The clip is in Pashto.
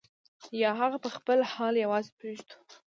یا هغه په خپل حال یوازې پرېږدو.